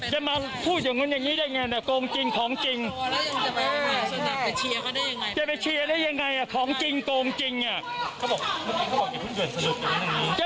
จะเป็นชีพเนี่ยยังไงอ่ะของจริงกลัวจริงยะ